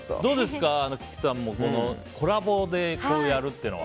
輝＆輝さんもコラボでやるっていうのは。